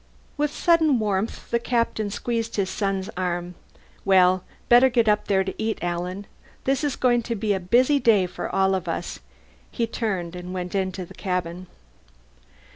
With sudden warmth the captain squeezed his son's arm. "Well, better get up there to eat, Alan. This is going to be a busy day for all of us." He turned and went into the cabin.